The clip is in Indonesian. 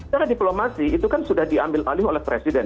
cara diplomasi itu kan sudah diambil alih oleh presiden